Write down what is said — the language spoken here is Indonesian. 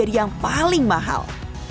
jadi yang paling mahal